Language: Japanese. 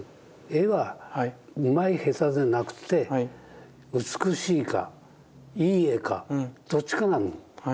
絵はうまい下手でなくて美しいかいい絵かどっちかなの。